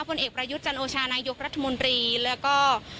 ผลเอกประยุทธ์จันโอชานายกรัฐมนตรีแล้วก็